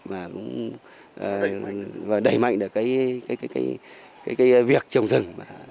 và đẩy mạnh được cái việc trồng rừng